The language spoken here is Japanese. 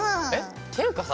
っていうかさ